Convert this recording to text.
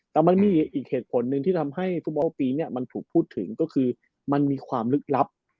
แต่มันมีอีกเหตุผลหนึ่งที่ทำให้ฟุตบอลปีนี้มันถูกพูดถึงก็คือมันมีความลึกลับ